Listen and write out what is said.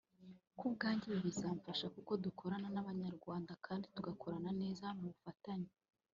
Ku bwanjye ibi bizamfasha kuko dukorana n’Abanyarwanda kandi tugakorana neza mu bufatanye